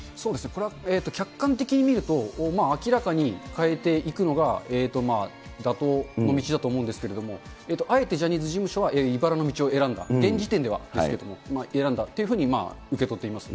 これは客観的に見ると、明らかに変えていくのが妥当な道だと思うんですけれども、あえてジャニーズ事務所はいばらの道を選んだ、現時点ではですけれども、選んだっていうふうに受け取っています。